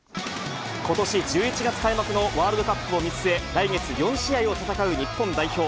ことし１１月開幕のワールドカップを見据え、来月４試合を戦う日本代表。